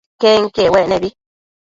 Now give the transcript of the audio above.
Iquenquiec uec nebi